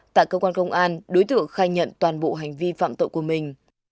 tại cơ quan công an đối tượng khai nhận toàn bộ hành vi phạm tội của mình